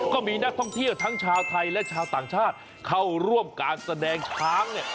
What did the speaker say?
ก็มีนักท่องเที่ยวทั้งชาวไทยและชาวต่างชาติเข้าร่วมการแสดงช้างเนี่ย